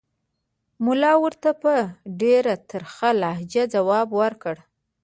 ملا ورته په ډېره ترخه لهجه ځواب ورکړ.